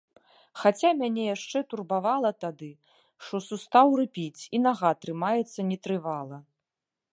Хаця мяне яшчэ турбавала тады, што сустаў рыпіць, і нага трымаецца нетрывала.